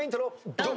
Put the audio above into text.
ドン！